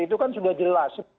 itu kan sudah jelas